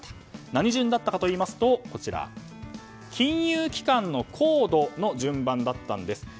何順だったかといいますと金融機関のコードの順番だったんです。